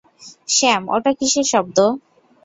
Sam, ওটা কিসের শব্দ?